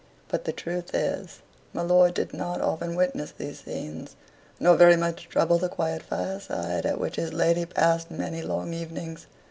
But the truth is, my lord did not often witness these scenes, nor very much trouble the quiet fireside at which his lady passed many long evenings.